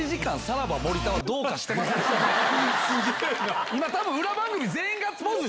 すげぇな！